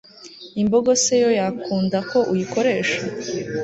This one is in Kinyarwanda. imbogo se yo yakunda ko uyikoresha